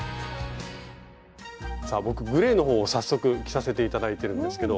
さあ僕グレーのほうを早速着させて頂いてるんですけど